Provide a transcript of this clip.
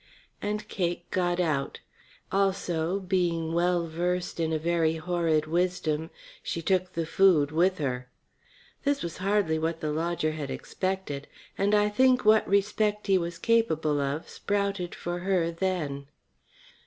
And Cake got out. Also, being well versed in a very horrid wisdom, she took the food with her. This was hardly what the lodger had expected, and I think what respect he was capable of sprouted for her then.